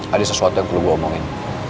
ada sesuatu yang perlu gue omongin